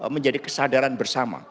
menjadi kesadaran bersama